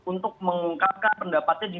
untuk mengungkapkan pendapatnya di muka umum